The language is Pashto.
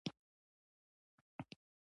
مزارشریف د افغانستان د جغرافیوي تنوع مثال دی.